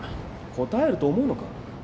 答えると思うのか？